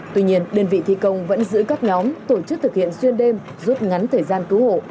tuy nhiên đơn vị thi công vẫn giữ các nhóm tổ chức thực hiện xuyên đêm rút ngắn thời gian cứu hộ